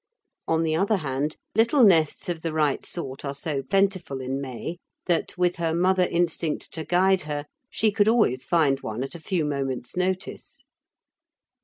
On the other hand, little nests of the right sort are so plentiful in May that, with her mother instinct to guide her, she could always find one at a few moments' notice.